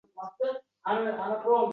U atrofga nazar soldi